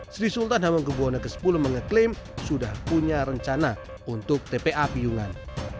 sri sultan hamengkubwono x mengklaim sudah punya rencana untuk tpa piyungan